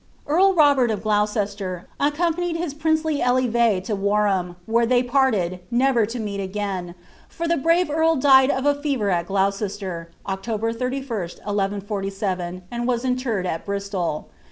Earl Robert of Gloucester accompanied his princely eleve to Warham, where they parteii,* never to meet again ; for the brave earl died of a fever at Glou cesier, October 31, II 47, and was interred at Bristol.